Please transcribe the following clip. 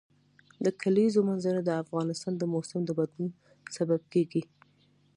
د کلیزو منظره د افغانستان د موسم د بدلون سبب کېږي.